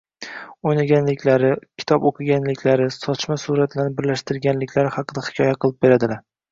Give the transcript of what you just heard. – o‘ynaganliklari, kitob o‘qiganliklari, sochma suratlarni birlashtirganliklari haqida hikoya qilib beradilar